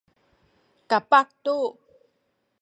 kapah tu